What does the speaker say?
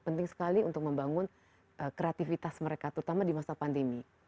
penting sekali untuk membangun kreativitas mereka terutama di masa pandemi